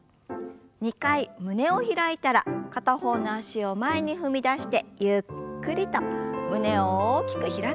２回胸を開いたら片方の脚を前に踏み出してゆっくりと胸を大きく開く運動から始めましょう。